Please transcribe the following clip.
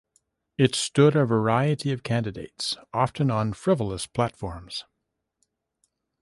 It stood a variety of candidates, often on frivolous platforms.